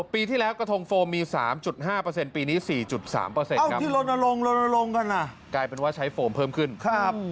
ปีที่แล้วกระทงโฟมมี๓๕ปีนี้๔๓กลายเป็นว่าใช้โฟมเพิ่มขึ้นครับ